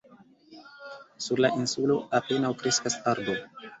Sur la insulo apenaŭ kreskas arbo.